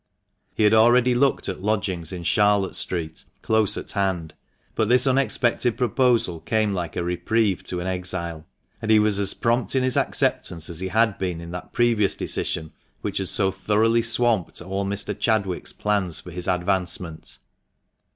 He had already looked at lodgings in Charlotte Street, close at hand ; but this unexpected proposal came like a reprieve to an exile, and he was as prompt in his acceptance as he had been in that previous decision which had so thoroughly swamped all 262 THE MANCHESTER MAN. Mr. Chad wick's plans for his advancement.